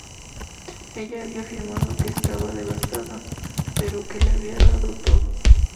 Ella había afirmado que "estaba devastada", pero que "le había dado todo".